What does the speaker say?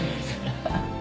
ハハハ。